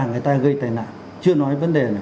người ta gây tai nạn chưa nói vấn đề này